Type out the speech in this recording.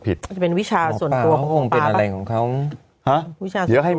อาจจะเป็นวิชาส่วนตัวเขาคงเป็นอะไรของเขาฮะ